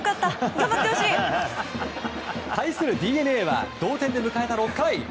頑張ってほしい！対するＤｅＮＡは同点で迎えた６回。